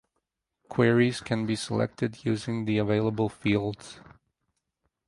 Queries can be selected using the available fields.